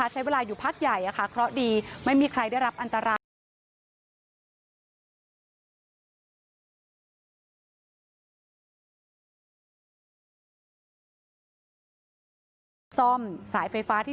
ใช้เวลาอยู่พักใหญ่เพราะดีไม่มีใครได้รับอันตราย